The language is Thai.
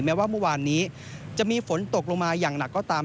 แม้ว่าเมื่อวานนี้จะมีฝนตกลงมาอย่างหนักก็ตาม